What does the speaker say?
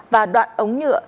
và đoạn ống nhựa